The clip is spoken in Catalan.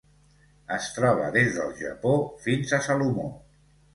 Es troba des del Japó fins a Salomó.